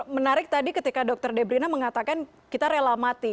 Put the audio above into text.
menarik tadi ketika dokter debrina mengatakan kita rela mati